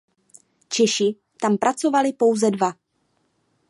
Češi tam pracovali pouze dva.